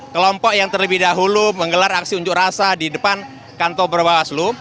kelompok yang terlebih dahulu menggelar aksi unjuk rasa di depan kantor bawaslu